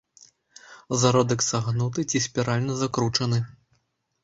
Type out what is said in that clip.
Зародак сагнуты ці спіральна закручаны.